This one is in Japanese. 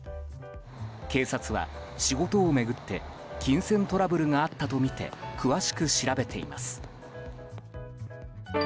警察は、仕事を巡って金銭トラブルがあったとみて詳しく調べています。